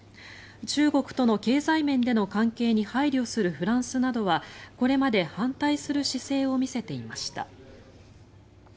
中国との経済面での関係に配慮するフランスなどはこれまで反対する姿勢を見せていました。